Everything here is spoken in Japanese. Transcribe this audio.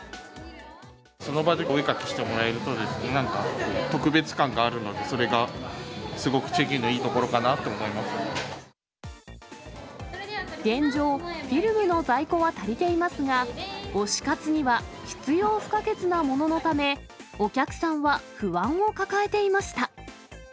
その場でお絵描きしてもらえると、なんか特別感があるのでそれがすごくチェキのいいところかなと思現状、フィルムの在庫は足りていますが、推し活には必要不可欠なもののため、お客さんは不安を抱えていました。